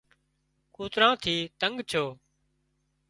ڪوترا ٿي تنڳ ڇو